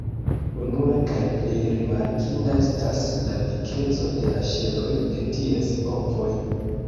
Unue kaj plej rimarkinda estas la dikeco de la ŝeloj de ties ovoj.